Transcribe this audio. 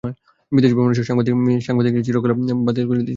বিদেশ ভ্রমণের সময় সাংবাদিক নিয়ে যাওয়ার চিরকালীন প্রথাও বাতিল করে দিয়েছেন।